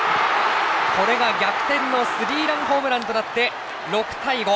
これが逆転のスリーランホームランとなって６対５。